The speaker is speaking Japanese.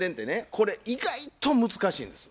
これ以外と難しいんです。